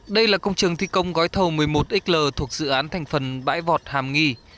đây là công trường thi công gói thầu một mươi một xl thuộc dự án thành phần bãi vọt hàm nghi